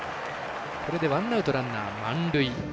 これでワンアウトランナー、満塁。